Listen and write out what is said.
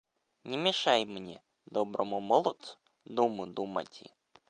Не мешай мне, доброму молодцу, думу думати.